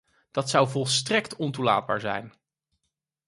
Dat zou volstrekt ontoelaatbaar zijn.